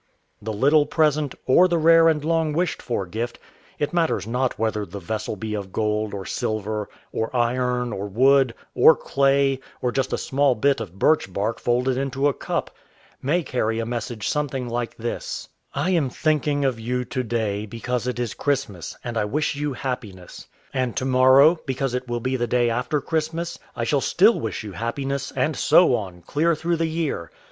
The little present, or the rare and long wished for gift (it matters not whether the vessel be of gold, or silver, or iron, or wood, or clay, or just a small bit of birch bark folded into a cup), may carry a message something like this: "I am thinking of you to day, because it is Christmas, and I wish you happiness. And to morrow, because it will be the day after Christmas, I shall still wish you happiness; and so on, clear through the year.